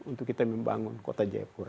untuk kita membangun kota jayapura